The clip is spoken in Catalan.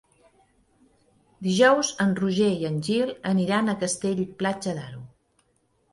Dijous en Roger i en Gil aniran a Castell-Platja d'Aro.